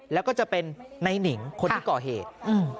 แล้วก็จะเป็นในหนิงคนที่ก่อเหตุอืม